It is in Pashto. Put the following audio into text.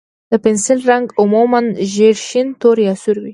د پنسل رنګ عموماً ژېړ، شین، تور، یا سور وي.